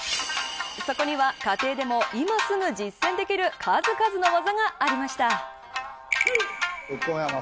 そこには家庭でも今すぐ実践できる数々の技がありました。